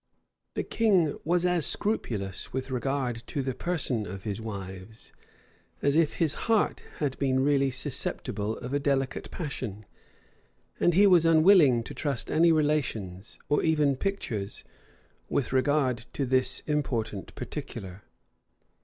The king was as scrupulous with regard to the person of his wives, as if his heart had been really susceptible of a delicate passion; and he was unwilling to trust any relations, or even pictures, with regard to this important particular.